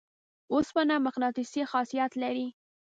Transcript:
اوسپنه مقناطیسي خاصیت لري.